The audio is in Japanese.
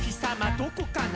どこかな？」